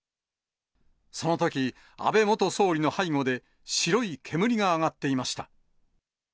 そのとき、安倍元総理の背後で、白い煙が上がっていました。